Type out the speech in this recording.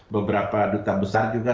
beberapa duka besar juga